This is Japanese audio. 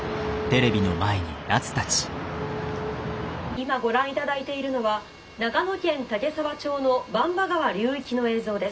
「今ご覧いただいているのは長野県岳沢町の番場川流域の映像です。